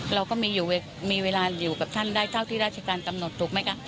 เราก็มีเวลาอยู่กับท่านได้เท่าที่ราชการกำหนดถูกไหมคะ